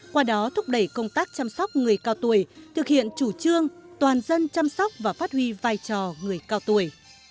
qua đó thúc đẩy công tác chăm sóc người cao tuổi thực hiện chủ trương toàn dân chăm sóc và phát huy vai trò người cao tuổi